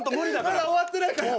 まだ終わってないから！